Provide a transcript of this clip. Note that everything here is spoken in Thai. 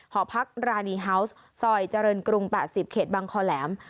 หอพักรานีฮาวส์ซอยเจริญกรุง๘๐เขตบังคอแหลม